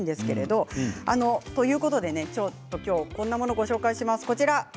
今日はこんなものをご紹介します。